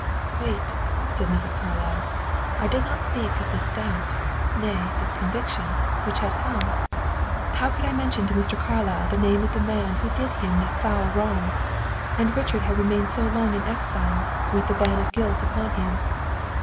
"Wait," said Mrs. Carlyle. "I did not speak of this doubt nay, this conviction which had come; how could I mention to Mr. Carlyle the name of the man who did him that foul wrong? And Richard has remained so long in exile, with the ban of guilt upon him.